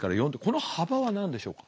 この幅は何でしょうか？